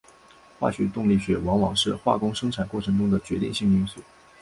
化学动力学往往是化工生产过程中的决定性因素。